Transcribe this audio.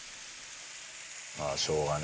ああしょうがね。